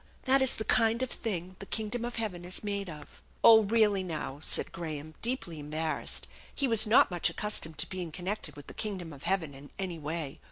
That is the kind of thing the kingdom of heaven is made of." " Oh, really, now," said Graham, deeply embarrassed ; he was not much accustomed to being connected with the king dom of heaven in any way.